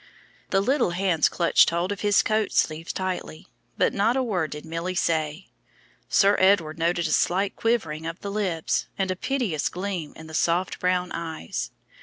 The little hands clutched hold of his coat sleeve tightly, but not a word did Milly say. Sir Edward noted a slight quivering of the lips, and a piteous gleam in the soft brown eyes.